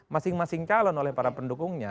masing masing calon oleh para pendukungnya